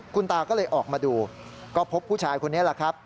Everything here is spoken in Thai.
คุณตาก็เลยออกมาดูก็พบผู้ชายคนนี้แหละครับ